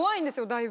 だいぶ。